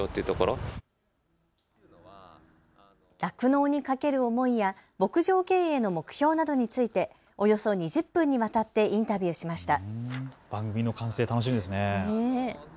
酪農にかける思いや牧場経営の目標などについておよそ２０分にわたってインタビューしました。